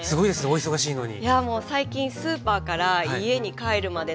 お忙しいのに。